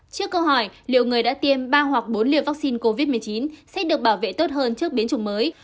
trước câu hỏi liệu người đã tiêm ba hoặc bốn liều vaccine covid một mươi chín sẽ được bảo vệ tốt hơn trước biến chủng mới